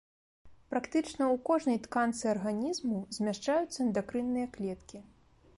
Практычна ў кожнай тканцы арганізму змяшчаюцца эндакрынныя клеткі.